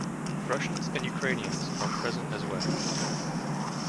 Russians and Ukrainians are present as well.